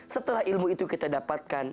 setelah ilmu itu kita dapatkan